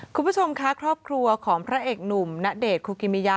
คุณผู้ชมคะครอบครัวของพระเอกหนุ่มณเดชน์คุกิมิยะ